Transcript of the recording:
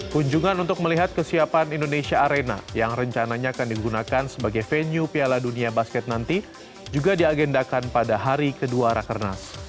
kunjungan untuk melihat kesiapan indonesia arena yang rencananya akan digunakan sebagai venue piala dunia basket nanti juga diagendakan pada hari kedua rakernas